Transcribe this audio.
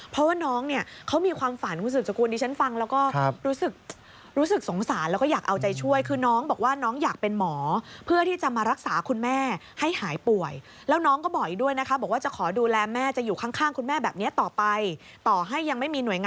เพราะว่าน้องเขามีความฝัน